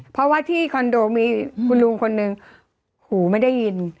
เพราะว่าที่คอนโดมีคุณลุงคนหนึ่งหูไม่ได้ยิน